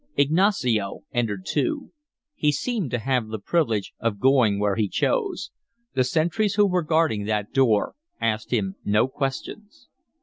Ignacio entered, too. He seemed to have the privilege of going where he chose; the sentries who were guarding that door asked him no questions.